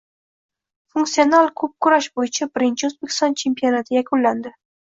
Funksional ko‘pkurash bo‘yicha birinchi O‘zbekiston chempionati yakunlandi